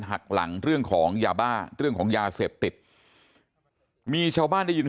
หักหลังเรื่องของยาบ้าเรื่องของยาเสพติดมีชาวบ้านได้ยิน